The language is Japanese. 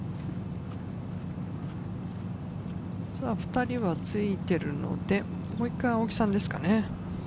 ２人はついてるので、もう一回、青木さんですかね。